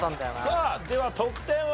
さあでは得点は？